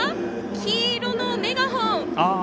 黄色のメガホン。